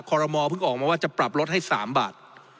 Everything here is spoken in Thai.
รมอลเพิ่งออกมาว่าจะปรับลดให้๓บาท